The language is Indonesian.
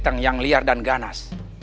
pertanyaan tanya tanya dia student ore